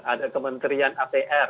ada kementerian apr